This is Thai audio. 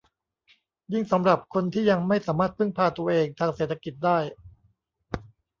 ยิ่งสำหรับคนที่ยังไม่สามารถพึ่งพาตัวเองทางเศรษฐกิจได้